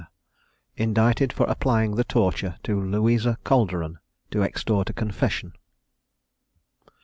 INDICTED FOR APPLYING THE TORTURE TO LOUISA CALDERON, TO EXTORT A CONFESSION.